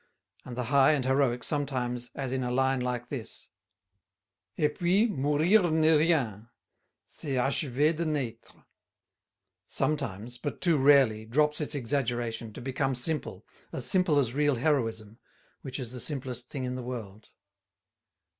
And the high and heroic sometimes as in a line like this: Et puis, mourir n'est rien; c'est achever de naître sometimes, but too rarely, drops its exaggeration to become simple as simple as real heroism, which is the simplest thing in the world.